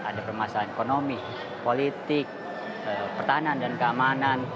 ada permasalahan ekonomi politik pertahanan dan keamanan